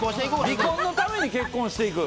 離婚のために結婚していく？